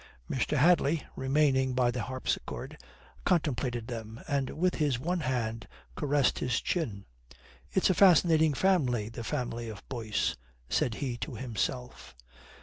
Mr. Hadley, remaining by the harpsichord, contemplated them, and with his one hand caressed his chin. "It's a fascinating family, the family of Boyce," said he to himself.